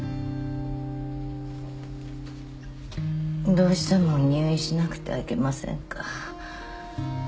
どうしても入院しなくてはいけませんか？